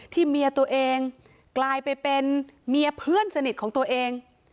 เมียตัวเองกลายไปเป็นเมียเพื่อนสนิทของตัวเอง